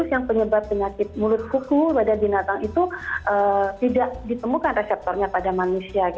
yang penyebab penyakit mulut kuku pada binatang itu tidak ditemukan reseptornya pada manusia